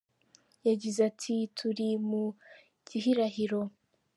Yagize ati “ Turi mu gihirahiro.